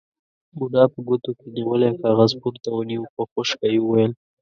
بوډا په ګوتو کې نيولی کاغذ پورته ونيو، په خشکه يې وويل: